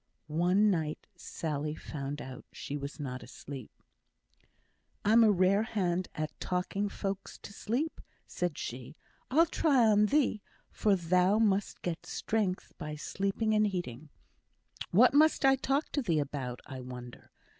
One night Sally found out she was not asleep. "I'm a rare hand at talking folks to sleep," said she. "I'll try on thee, for thou must get strength by sleeping and eating. What must I talk to thee about, I wonder.